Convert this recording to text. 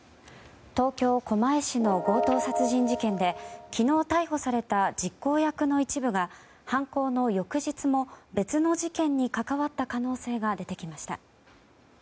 東京・狛江市の強盗殺人事件で昨日逮捕された実行役の一部が犯行の翌日も、別の事件に関わった可能性が出てきました。